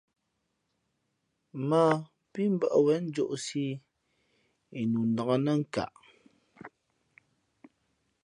Mᾱ pí mbᾱʼ wěn njōʼsī ī yi nu nǎk nά nkaʼ.